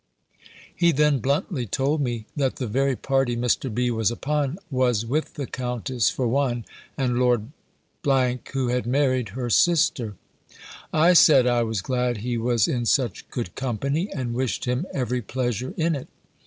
He then bluntly told me, that the very party Mr. B. was upon, was with the Countess for one, and Lord , who had married her sister. I said, I was glad he was in such good company, and wished him every pleasure in it.